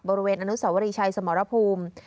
บริเวณอนุสวรีชัยสมรภูมิ